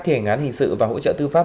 thi hành án hình sự và hỗ trợ tư pháp